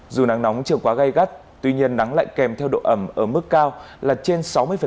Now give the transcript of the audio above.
dù nắng nóng chưa quá gai gắt tuy nhiên nắng lại kèm theo độ ẩm ở mức cao là trên sáu mươi